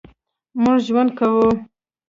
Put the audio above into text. مونږ ژوند کوو